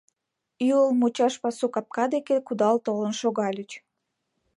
Ӱлыл мучаш пасу капка деке кудал толын шогальыч.